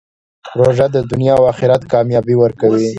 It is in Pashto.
روژه د دنیا او آخرت کامیابي ورکوي.